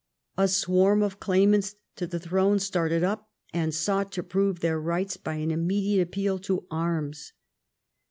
A swarm of claimants to the throne started up, and sought to prove their rights by an immediate appeal to arms.